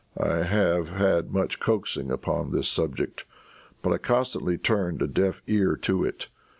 I have had much coaxing upon this subject, but I constantly turned a deaf ear to it.